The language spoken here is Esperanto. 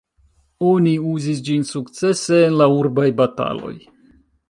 Oni uzis ĝin sukcese en la urbaj bataloj.